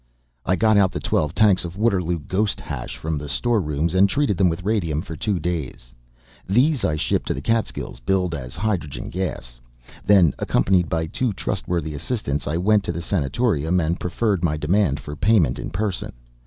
I got out the twelve tanks of Waterloo ghost hash from the storerooms, and treated them with radium for two days. These I shipped to the Catskills billed as hydrogen gas. Then, accompanied by two trustworthy assistants, I went to the sanatorium and preferred my demand for payment in person.